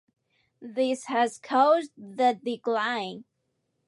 This has caused the decline.